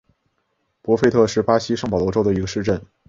博费特是巴西圣保罗州的一个市镇。